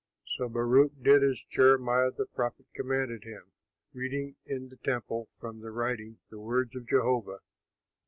So Baruch did as Jeremiah, the prophet, commanded him, reading in the temple from the writing the words of Jehovah.